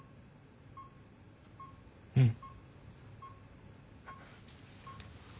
うん。